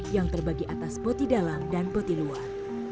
yang terbagi atas boti dalam dan boti luar